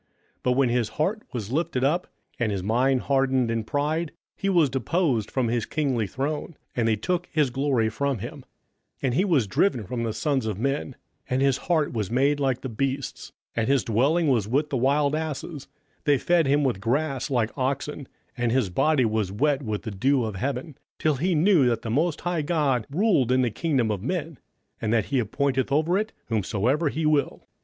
27:005:020 But when his heart was lifted up, and his mind hardened in pride, he was deposed from his kingly throne, and they took his glory from him: 27:005:021 And he was driven from the sons of men; and his heart was made like the beasts, and his dwelling was with the wild asses: they fed him with grass like oxen, and his body was wet with the dew of heaven; till he knew that the most high God ruled in the kingdom of men, and that he appointeth over it whomsoever he will.